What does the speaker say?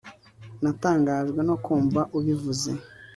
Natangajwe no kumva ubivuze